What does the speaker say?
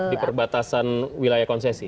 di perbatasan wilayah konsesi